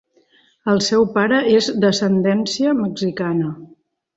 El seu pare és d'ascendència mexicana.